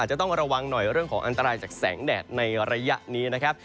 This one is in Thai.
จะต้องระวังหน่อยเรื่องของอันตรายจากแสงแดดในระยะนี้นะครับ